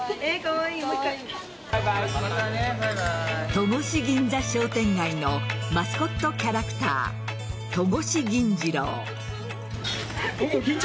戸越銀座商店街のマスコットキャラクター戸越銀次郎。